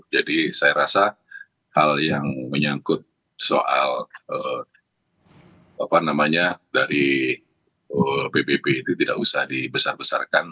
jadi saya rasa hal yang menyangkut soal dari bbb itu tidak usah dibesarkan